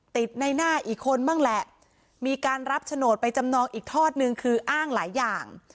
ติดในหน้าอีกคนบ้างแหละมีการรับโฉนดไปจำนองอีกทอดนึงคืออ้างหลายอย่าง